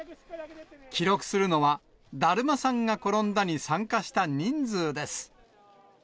記録するのは、だるまさんが転んだに参加した人数です。